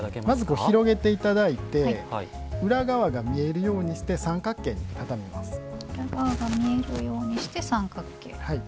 まず、広げていただいて裏側が見えるようにして三角形に畳みます。